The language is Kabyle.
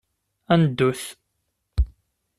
Ad neddut.